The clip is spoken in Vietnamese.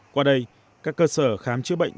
qua đây các cơ sở khám chữa bệnh